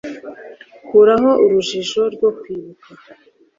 Kuraho urujijo rwo kwibuka